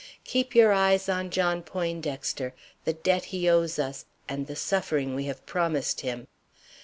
Keep your eyes on John Poindexter, the debt he owes us, and the suffering we have promised him.